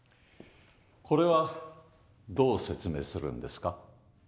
これはどう説明するんですか？